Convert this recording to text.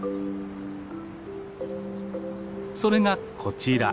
それがこちら。